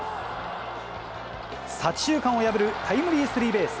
左中間を破るタイムリースリーベース。